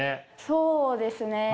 そうですね。